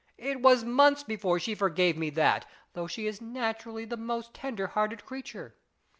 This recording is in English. It was months before she forgave me that, though she is naturally the most tender hearted creature.